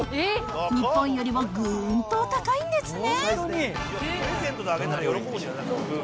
日本よりもぐーんとお高いんですね。